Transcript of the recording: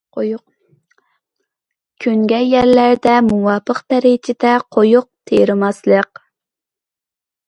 كۈنگەي يەرلەردە، مۇۋاپىق دەرىجىدە قويۇق تېرىماسلىق.